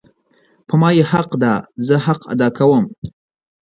په ما یی حق ده زه حق ادا کوم